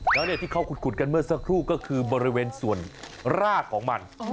แล้วที่เขาขุดกันเมื่อสักครู่ก็คือบริเวณส่วนรากของมัน